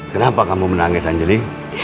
kenapa kamu menangis anjali